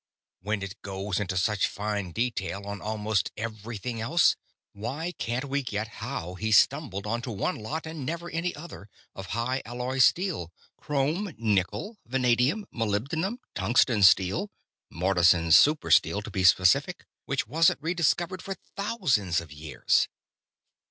"When it goes into such fine detail on almost everything else, why can't we get how he stumbled onto one lot, and never any other, of high alloy steel chrome nickel vanadium molybdenum tungsten steel Mortensen's super steel, to be specific which wasn't rediscovered for thousands of years?"